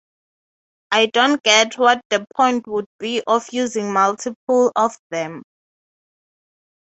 I don’t get what the point would be of using multiple of them.